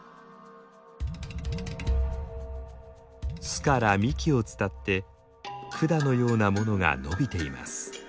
巣から幹を伝ってくだのようなものが伸びています。